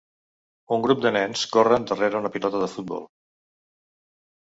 Un grup de nens corren darrere una pilota de futbol.